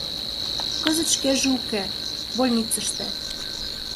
Кызыт шкеже уке — больницыште.